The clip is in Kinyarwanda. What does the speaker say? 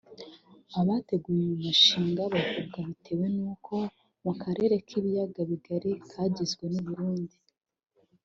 Abateguye uyu mushinga bavuga bitewe ni uko mu karere k’ibiyaga bigari kagizwe n’u Burundi